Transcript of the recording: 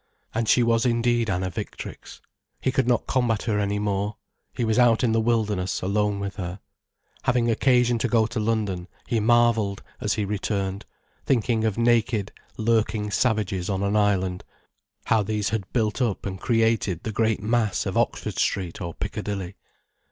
And she was indeed Anna Victrix. He could not combat her any more. He was out in the wilderness, alone with her. Having occasion to go to London, he marvelled, as he returned, thinking of naked, lurking savages on an island, how these had built up and created the great mass of Oxford Street or Piccadilly.